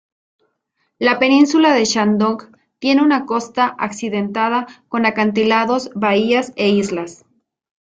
La península de Shandong tiene una costa accidentada, con acantilados, bahías e islas.